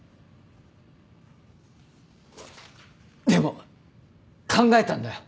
でも考えたんだよ